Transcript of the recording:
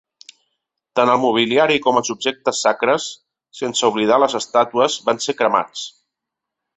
Tant el mobiliari com els objectes sacres, sense oblidar les estàtues van ser cremats.